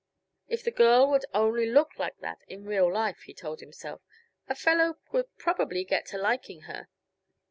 If the girl would only look like that in real life, he told himself, a fellow would probably get to liking her.